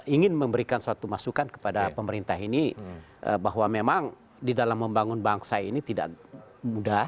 ingin memberikan suatu masukan kepada pemerintah ini bahwa memang di dalam membangun bangsa ini tidak mudah